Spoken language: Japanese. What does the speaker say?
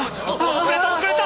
遅れた遅れた！